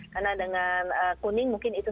karena dengan kuning mungkin itu